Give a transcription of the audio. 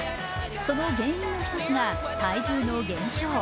その原因の１つが体重の減少。